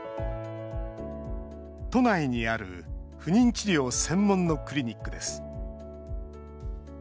都内にある不妊治療専門のクリニックです。